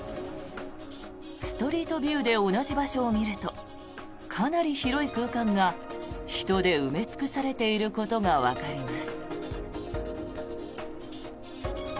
ストリートビューで同じ場所を見るとかなり広い空間が人で埋め尽くされていることがわかります。